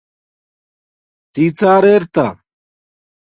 ڎی ڎار ارتا